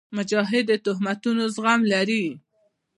مجاهد د تهمتونو زغم لري.